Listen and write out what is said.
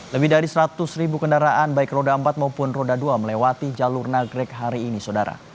lebih dari seratus ribu kendaraan baik roda empat maupun roda dua melewati jalur nagrek hari ini saudara